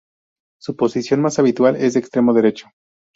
Su posición más habitual es la de extremo derecho.